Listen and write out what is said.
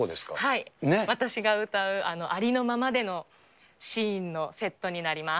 私が歌うありのままでのシーンのセットになります。